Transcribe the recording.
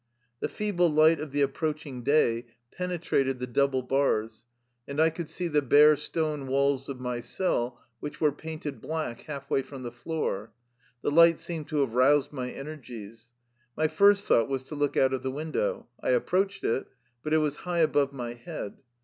The feeble light of the approaching day pene 60 THE LIFE STOEY OF A RUSSIAN EXILE trated the double bars, and I could see the bare stone walls of my cell which were painted black half way from the floor. The light seemed to have roused my energies. My first thought was to look out of the win dow. I approached it, but it was high above my head.